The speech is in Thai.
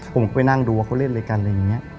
ผมก็ไปนั่งดูว่าเขาเล่นอะไรกันอะไรอย่างนี้